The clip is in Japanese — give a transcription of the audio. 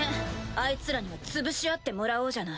あいつらには潰し合ってもらおうじゃない。